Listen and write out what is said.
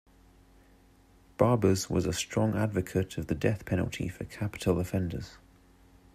Barbers was a strong advocate of the death penalty for capital offenders.